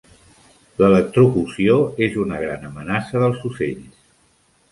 L"electrocució és una gran amenaça dels ocells.